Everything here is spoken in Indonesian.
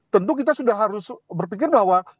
tentu kita sudah harus berpikir bahwa